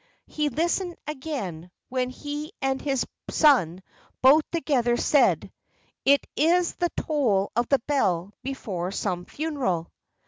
He listened again, when he and his son, both together, said, "It is the toll of the bell before some funeral."